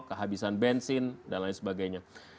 kehabisan bensin dan lain sebagainya